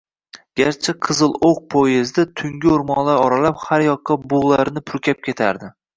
Garchi “Qizil oʻq” poyezdi tungi oʻrmonlar oralab har yoqqa bugʻlarini purkab ketardi.